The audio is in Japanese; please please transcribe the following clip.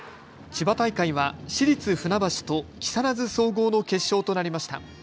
千葉大会は市立船橋と木更津総合の決勝となりました。